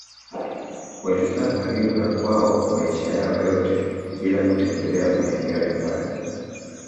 Walikaa karibu na kwao maisha yao yote bila kutembelea maeneo ya mbali